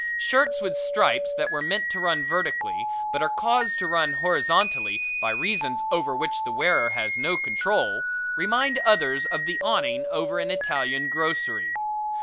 Shirts with stripes that were meant to run vertically but are caused to run horizontally, by reasons over which the wearer has no control, remind others of the awning over an Italian grocery.